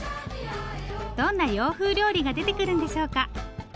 どんな洋風料理が出てくるんでしょうか。